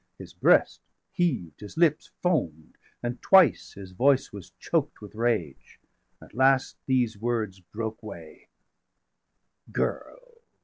°454 His breast heaved, his lips foam'd, and twice his voice 455 Was choked with rage; at last these words broke way: "Girl!